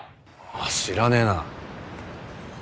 ああ知らねえな。